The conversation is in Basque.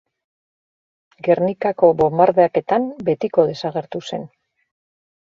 Gernikako bonbardaketan betiko desagertu zen.